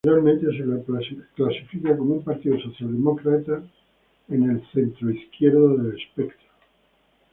Generalmente se le clasifica como un partido socialdemócrata a la centroizquierda del espectro.